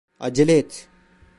Acele et.